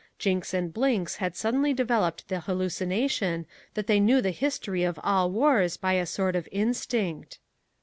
Jinks and Blinks had suddenly developed the hallucination that they knew the history of all wars by a sort of instinct.